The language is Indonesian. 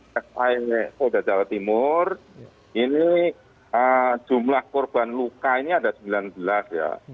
setelah ini polda jawa timur ini jumlah korban luka ini ada sembilan belas ya